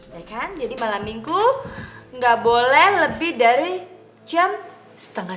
ya kan jadi malam minggu nggak boleh lebih dari jam setengah